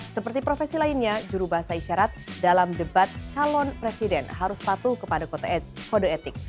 seperti profesi lainnya juru bahasa isyarat dalam debat calon presiden harus patuh kepada kode etik